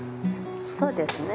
そうですね